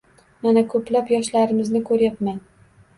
Mana ko‘plab yoshlarimizni ko‘rayapman